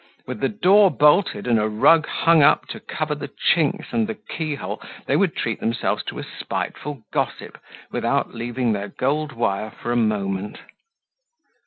With the door bolted and a rug hung up to cover the chinks and the key hole, they would treat themselves to a spiteful gossip without leaving their gold wire for a moment.